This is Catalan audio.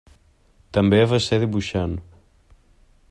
També va ser dibuixant.